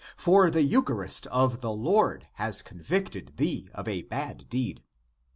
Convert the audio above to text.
For the eucharist of the Lord has convicted thee (of a bad deed).